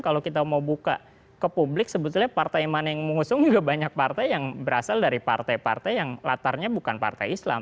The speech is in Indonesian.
kalau kita mau buka ke publik sebetulnya partai mana yang mengusung juga banyak partai yang berasal dari partai partai yang latarnya bukan partai islam